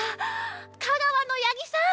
香川の八木さん